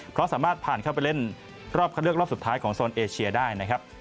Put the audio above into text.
เพราะสามารถผ่านเข้าไปเล่นรอบเข้าเลือกรอบสุดท้ายของโซนเอเชียได้นะครับ